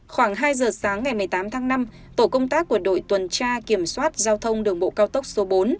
khoảng hai giờ sáng ngày một mươi tám tháng năm tổ công tác của đội tuần tra kiểm soát giao thông đường bộ cao tốc số bốn